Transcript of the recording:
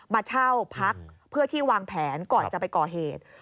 มาเช่าพักเพื่อที่วางแผนก่อนจะไปก่อเหตุ